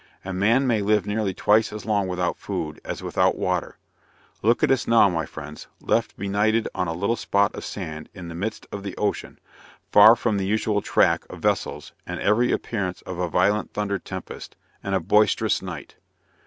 A man may live nearly twice as long without food, as without water. Look at us now, my friends, left benighted on a little spot of sand in the midst of the ocean, far from the usual track of vessels, and every appearance of a violent thunder tempest, and a boisterous night.